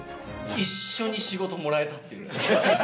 一緒に仕事もらえたっていう。